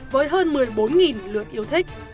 với hơn một mươi bốn lượt yêu thích